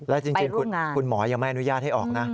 แล้วจริงคุณหมอยังไม่อนุญาตให้ออกนะ